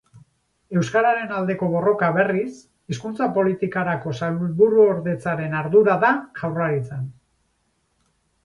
Euskararen aldeko borroka, berriz, Hizkuntza Politikarako Sailburuordetzaren ardura da Jaurlaritzan.